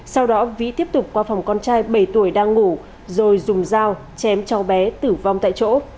sau đó vĩ tiếp tục qua phòng con trai bảy tuổi đang ngủ rồi dùng dao chém cháu bé tử vong tại chỗ